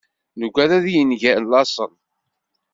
Nugad ad yenger laṣel.